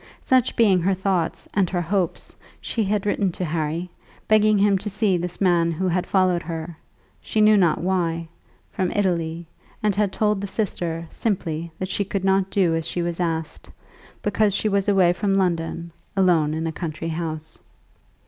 Such being her thoughts and her hopes, she had written to Harry, begging him to see this man who had followed her, she knew not why, from Italy; and had told the sister simply that she could not do as she was asked, because she was away from London, alone in a country house.